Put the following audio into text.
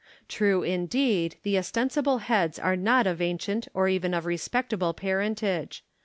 True, indeed, the ostensible heads are not of ancient or even of respectable parentage.